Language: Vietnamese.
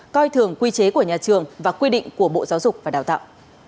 coi thường quy chế của nhà trường và quy định của bộ giáo dục và đào tạo